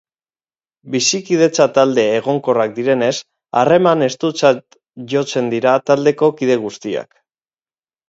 Bizikidetza-talde egonkorrak direnez, harreman estutzat jotzen dira taldeko kide guztiak.